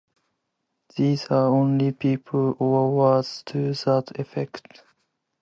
There are only people; or words to that effect.